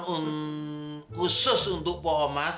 khusus untuk pak omas